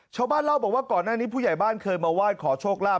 ชาวบ้านเล่าบอกว่าก่อนหน้านี้ผู้ใหญ่บ้านเคยมาไหว้ขอโชคลาภ